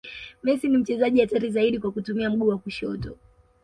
messi ni mchezaji hatari zaidi kwa kutumia mguu wa kushoto